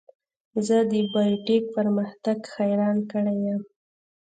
زه د بایو ټیک پرمختګ حیران کړی یم.